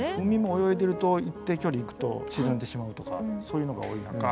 海も泳いでると一定距離行くと沈んでしまうとかそういうのが多い中